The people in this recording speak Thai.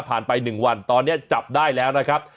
ไป๑วันตอนนี้จับได้แล้วนะครับ